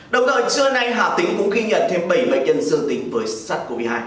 đồng thời trưa nay hà tĩnh cũng ghi nhận thêm bảy bệnh nhân dương tính với sars cov hai